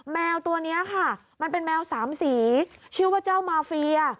แมวตัวนี้ค่ะมันเป็นแมวสามสีชื่อว่าเจ้ามาเฟีย